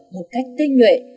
một cách tinh nguyện